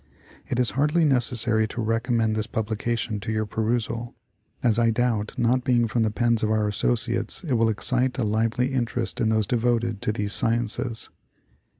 It is hardly necessary to recommend this publica tion to your perusal, as I doubt not being from the pens of our Associates, it will excite a lively interest in those devoted to these sciences.